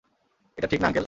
এটা ঠিক না আঙ্কেল।